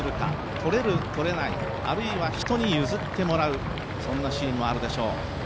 取れる、取れない、あるいは人に譲ってもらう、そんなシーンもあるでしょう。